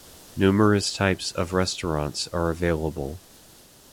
Numerous types of restaurants are available.